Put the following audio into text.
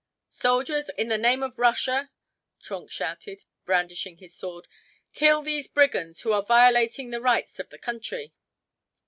"Soldiers, in the name of Russia!" Trenck shouted, brandishing his sword, "kill these brigands who are violating the rights of the country."